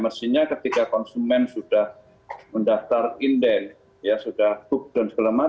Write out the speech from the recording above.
mestinya ketika konsumen sudah mendaftar indent ya sudah duk dan sebeleman